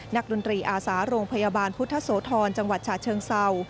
นักดนตรีอาศาลงพยาบาลพุทธโสธรจังหวัดชาติเชิงเศร้า